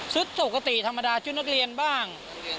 ปกติธรรมดาชุดนักเรียนบ้าง